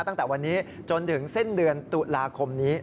ตั้งแต่วันนี้จนถึงสิ้นเดือนตุลาคมนี้